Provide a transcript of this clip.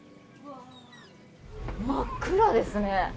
真っ暗ですね。